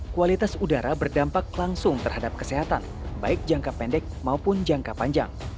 kualitas udara berdampak langsung terhadap kesehatan baik jangka pendek maupun jangka panjang